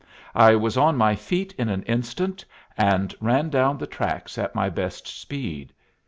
I was on my feet in an instant and ran down the tracks at my best speed.